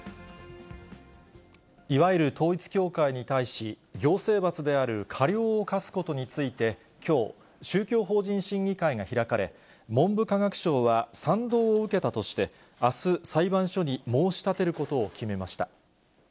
いわゆる統一教会に対し、行政罰である過料を科すことについて、きょう、宗教法人審議会が開かれ、文部科学省は賛同を受けたとして、あす、裁判所に申し立てることを決めました。